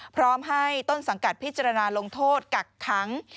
พร้อมให้ต้นสังกัดพิจารณาลงโทษกักขัง